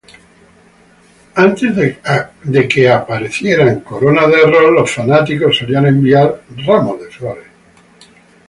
Antes de que aparecieran coronas de arroz, los fanáticos solían enviar ramos de flores.